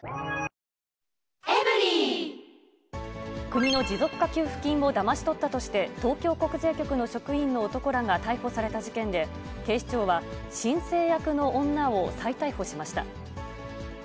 国の持続化給付金をだまし取ったとして、東京国税局の職員の男らが逮捕された事件で、警視庁は、申請役の女を再逮捕しました。